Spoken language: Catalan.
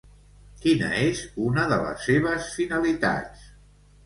Quina és una de les seves finalitats?